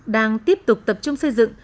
đang tiếp tục tập trung xây dựng